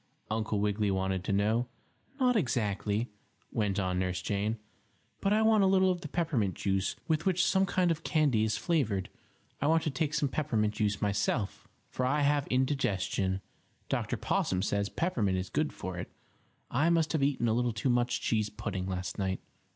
Uncle Wiggily wanted to know. "Not exactly," went on Nurse Jane. "But I want a little of the peppermint juice with which some kind of candy is flavored. I want to take some peppermint juice myself, for I have indigestion. Dr. Possum says peppermint is good for it. I must have eaten a little too much cheese pudding last night."